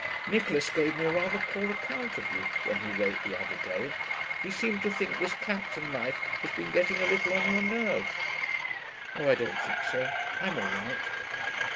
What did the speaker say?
Nicholas gave me a rather poor account of you when he wrote the other day. He seemed to think this Clapton life had been getting a little on your nerves.' 'Oh, I don't think so. I'm all right.'